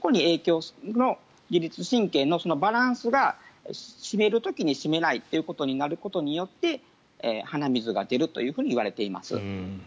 そこに自律神経のバランスが締めるときに締めないということになることによって鼻水が出るといわれています。